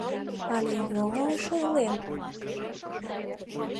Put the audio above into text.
Але йоҥылыш ойлем?